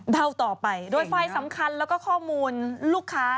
เดาต่อไปโดยไฟสำคัญแล้วก็ข้อมูลลูกค้า